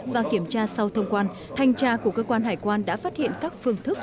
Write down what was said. và kiểm tra sau thông quan thanh tra của cơ quan hải quan đã phát hiện các phương thức